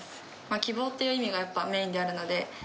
希望っていう意味がやっぱメインであるので。